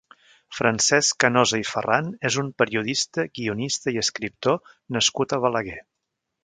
Francesc Canosa i Farran és un periodista, guionista i escriptor nascut a Balaguer.